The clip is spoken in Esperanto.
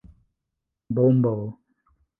Bombo!